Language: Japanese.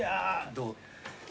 どう？